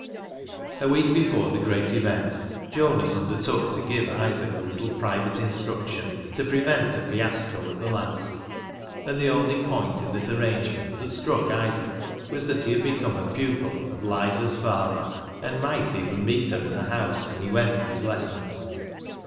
A week before the great event Jonas under took to give Isaac a little private instruction, to prevent a fiasco at the last, and the only point in this arrangement that struck Isaac was that he had become a pupil of " Lizer's " father, and might even meet her in the house when he went for his lessons.